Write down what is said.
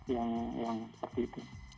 yang seperti itu